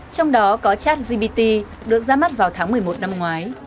trong đó có chat gpt được ra mắt vào tháng một mươi một năm ngoái